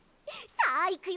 さあいくよ！